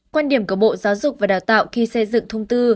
quan điểm của bộ giáo dục và đào tạo khi xây dựng thông tư